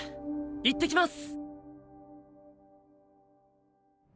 いってきます！